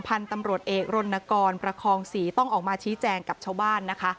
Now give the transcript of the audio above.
พันธุ์ตำรวจเอกรณกรประคองศรีต้องออกมาชี้แจงกับชาวบ้านนะคะ